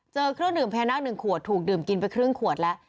เจอเครื่องดื่มแพะนักหนึ่งขวดดื่มกินไปครึ่งขวดแล้ว